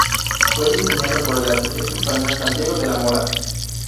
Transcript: Fue diseñado por el arquitecto español Santiago de la Mora.